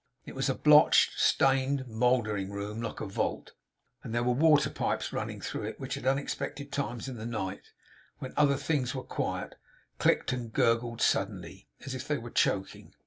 It was a blotched, stained, mouldering room, like a vault; and there were water pipes running through it, which at unexpected times in the night, when other things were quiet, clicked and gurgled suddenly, as if they were choking.